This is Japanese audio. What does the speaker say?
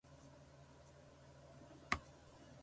早く寝たいよーー